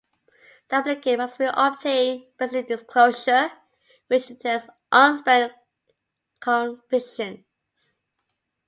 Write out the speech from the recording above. The applicant must also obtain "Basic Disclosure" which details any unspent convictions.